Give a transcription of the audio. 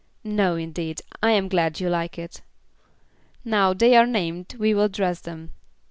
"No, indeed. I am glad you like it." "Now they are named, we will dress them."